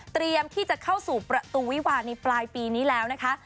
เตรียมที่จะเข้าสู่ประตูวิวาในปลายปีนี้แล้วนะคะ